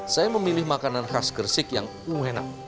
saya memilih makanan khas gersik yang enak